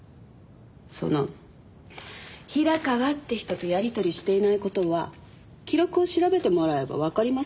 その平川って人とやり取りしていない事は記録を調べてもらえばわかりますよ。